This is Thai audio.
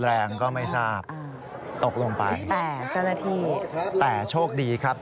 และก็จะมีอยู่ข้างลิฟอีก๑คน